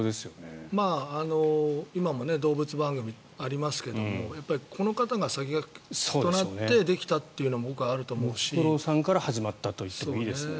今も動物番組、ありますけどこの方が先駆けとなってできたというのもムツゴロウさんから始まったといってもいいと思いますね。